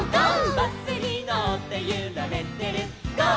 「バスにのってゆられてるゴー！